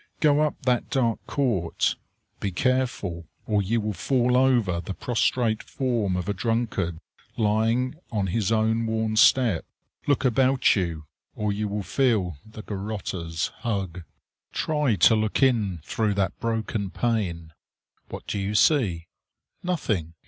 Go up that dark court. Be careful, or you will fall over the prostrate form of a drunkard lying on his own worn step. Look about you, or you will feel the garroter's hug. Try to look in through that broken pane! What do you see? Nothing.